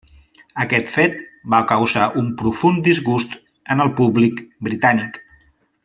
Aquest fet va causar un profund disgust en el públic britànic.